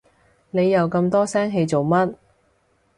你又咁多聲氣做乜？